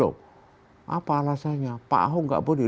loh apa alasannya pak ahok nggak boleh